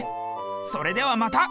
それではまた。